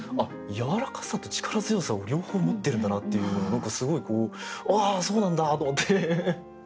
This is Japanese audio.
「柔らかさ」と「力強さ」を両方持ってるんだなっていう何かすごい「ああそうなんだ！」と思って。